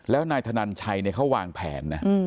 แล้วนายธนันชัยเขาวางแผนนะ